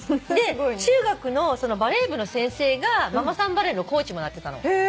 で中学のバレー部の先生がママさんバレーのコーチもやってたの。